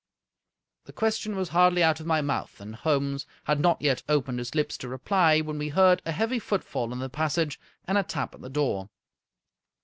The question was hardly out of my mouth, and Holmes had not yet opened his lips to reply, when we heard a heavy footfall in the passage, and a tap at the door.